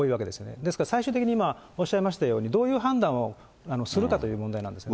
ですから、最終的に、おっしゃいましたように、どういう判断をするかという問題なんですね。